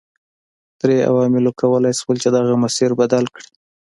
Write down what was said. درې عواملو کولای شول چې دغه مسیر بدل کړي.